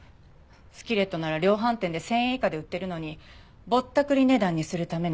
スキレットなら量販店で１０００円以下で売ってるのにぼったくり値段にするための付属品。